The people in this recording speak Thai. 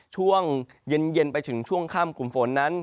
ช่วงเย็นไปถึงช่วงค่ำกลุ่มฝนนั้น